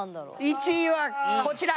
１位はこちら。